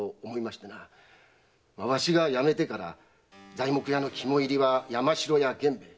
わしが辞めてから材木屋の肝入りは山城屋源兵衛。